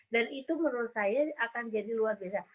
dan itu menurut saya akan jadi luar biasa